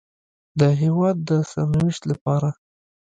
د هېواد د سرنوشت لپاره